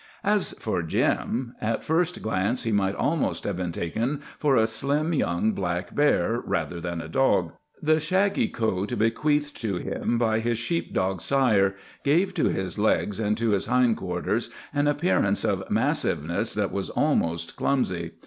As for Jim, at first glance he might almost have been taken for a slim, young black bear rather than a dog. The shaggy coat bequeathed to him by his sheep dog sire gave to his legs and to his hindquarters an appearance of massiveness that was almost clumsy.